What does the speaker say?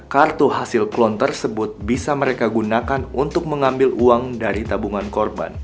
kartu hasil klon tersebut bisa mereka gunakan untuk mengambil uang dari tabungan korban